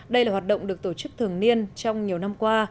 đây là hoạt động được tổ chức thường niên trong nhiều năm qua